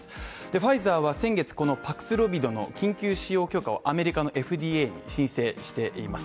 ファイザーは先月このパクスロビドの緊急使用許可をアメリカのＦＤＡに申請しています